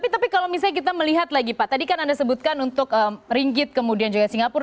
tapi kalau misalnya kita melihat lagi pak tadi kan anda sebutkan untuk ringgit kemudian juga singapura